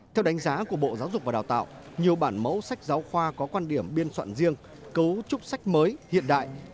theo đánh giá của bộ giáo dục và đào tạo nhiều bản mẫu sách giáo khoa có quan điểm biên soạn riêng cấu trúc sách mới hiện đại